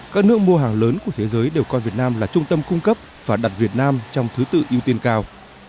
các nước mua hàng lớn của thế giới đều coi việt nam là trung tâm cung cấp và đặt việt nam trong thứ tự ưu tiên cao